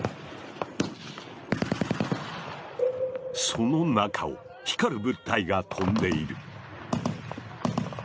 その中を光る物体が飛んでいる。